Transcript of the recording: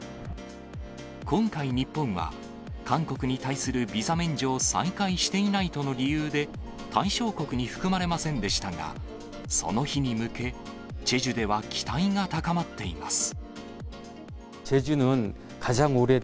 今回、日本は韓国に対するビザ免除を再開していないとの理由で、対象国に含まれませんでしたが、その日に向け、チェジュでは期待が高まっています。